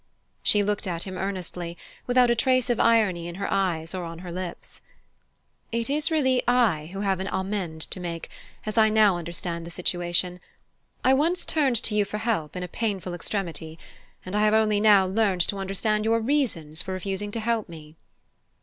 She looked at him earnestly, without a trace of irony in her eyes or on her lips. "It is really I who have an amende to make, as I now understand the situation. I once turned to you for help in a painful extremity, and I have only now learned to understand your reasons for refusing to help me."